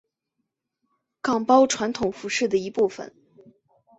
岗包传统服饰的一部分。